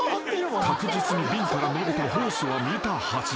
確実に瓶から伸びたホースは見たはず］